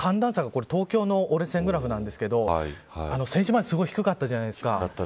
これは東京の折れ線グラフなんですが先週まですごく低かったじゃないですか。